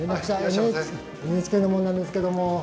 ＮＨＫの者なんですけども。